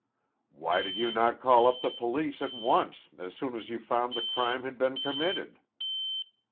"Why did you not call up the police at once, as soon as you found the crime had been committed?"